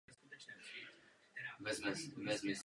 Je očividné, že Bělorusko hraje na dvě strany.